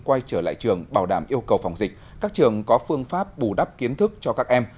quay trở lại trường bảo đảm yêu cầu phòng dịch các trường có phương pháp bù đắp kiến thức cho các em